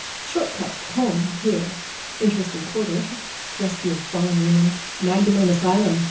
Short cut home here. Interesting quarter. Rescue of fallen women. Magdalen asylum.